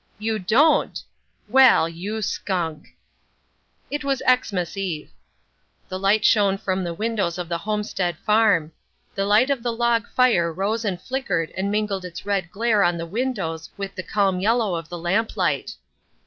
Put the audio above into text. You don't! Well, you skunk! It was Xmas Eve. The light shone from the windows of the homestead farm. The light of the log fire rose and flickered and mingled its red glare on the windows with the calm yellow of the lamplight.